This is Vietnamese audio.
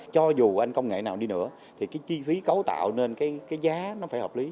cho dù anh công nghệ nào đi nữa thì cái chi phí cấu tạo nên cái giá nó phải hợp lý